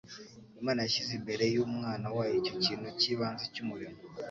Imana yashyize imbere y'Umwana wayo icyo kintu cy'ibanze cy'umurimo.